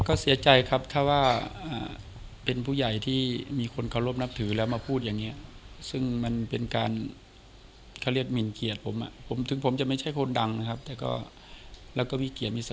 ก็เสียใจครับถ้าว่าเป็นผู้ใหญ่ที่มีคนเคารพนับถือแล้วมาพูดอย่างนี้